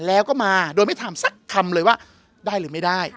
แล้วก็มาโดยไม่ถามสักคำเลยว่าได้หรือไม่ได้